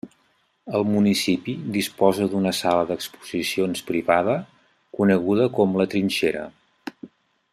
El municipi disposa d'una sala d'exposicions privada coneguda com La Trinxera.